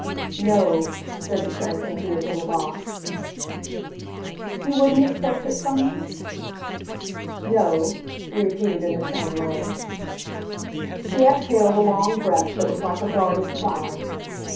"No," said the Prince into his little box. "You wouldn't accept it from me?" "No," he repeated in the same way. She exhaled a long breath that was like a guarded sigh.